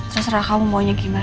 terserah kamu maunya gimana